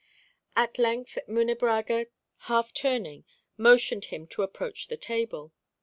At length Munebrãga, half turning, motioned him to approach the table.